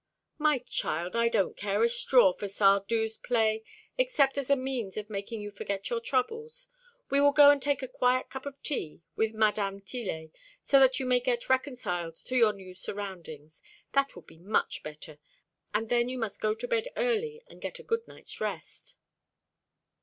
"My child, I don't care a straw for Sardou's play, except as a means of making you forget your troubles. We will go and take a quiet cup of tea with Mdme. Tillet, so that you may get reconciled to your new surroundings. That will be much better; and then you must go to bed early and get a good night's rest."